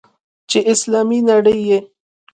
چې اسلامي نړۍ یې.